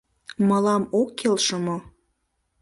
— Мылам ок келше мо?